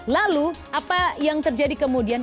lalu apa yang terjadi kemudian